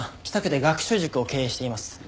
北区で学習塾を経営しています。